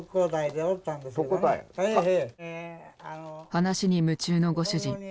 話に夢中のご主人